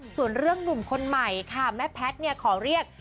ส่วนเรื่องหนุ่มคนใหม่ค่ะแม่แพทย์เนี่ยขอเรียก